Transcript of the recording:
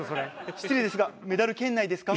失礼ですがメダル圏内ですか？